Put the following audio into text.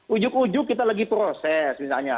ujuk ujuk kita lagi proses misalnya